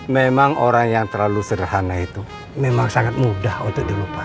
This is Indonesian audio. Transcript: memang orang yang terlalu sederhana itu memang sangat mudah untuk dilupakan